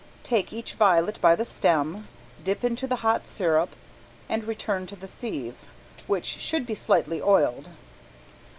Take each violet by the stem, dip into the hot sirup and return to the sieve, which should be slightly oiled.